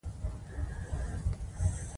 د دې موخو د ترلاسه کولو لومړۍ وسیله ډیپلوماسي ده